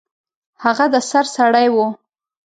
هغه د سر سړی و.